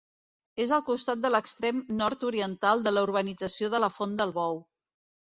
És al costat de l'extrem nord-oriental de la urbanització de la Font del Bou.